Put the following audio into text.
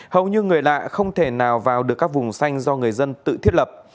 hầu như người lạ không thể nào vào được các vùng xanh do người dân tự thiết lập